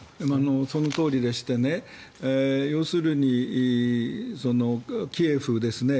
そのとおりでして要するに、キエフですね。